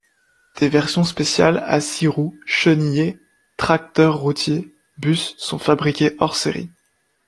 Des versions spéciales à six roues, chenillées, tracteur routier, bus, sont fabriquées hors série.